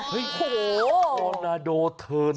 โฮธอร์นาโดเทิร์น